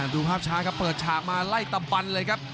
ดูภาพช้าครับเปิดฉากมาไล่ตำบันเลยครับ